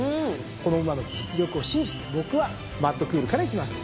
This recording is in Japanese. この馬の実力を信じて僕はマッドクールからいきます。